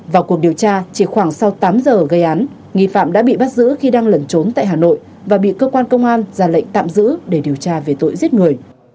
vào cuộc điều tra chỉ khoảng sau tám giờ gây án nghi phạm đã bị bắt giữ khi đang lẩn trốn tại hà nội và bị cơ quan công an ra lệnh tạm giữ để điều tra về tội giết người